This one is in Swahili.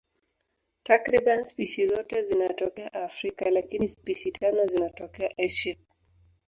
Takriban spishi zote zinatokea Afrika, lakini spishi tano zinatokea Asia.